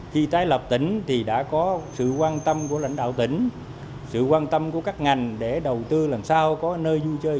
khi tái lập tỉnh thì đã có sự quan tâm của lãnh đạo tỉnh sự quan tâm của các ngành để đầu tư làm sao có nơi vui chơi